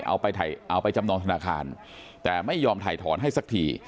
เอาไปเอาไปจำนองธนาคารแต่ไม่ยอมถ่ายถอนให้สักที